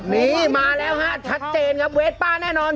นี่มาแล้วฮะชัดเจนครับเวสป้าแน่นอน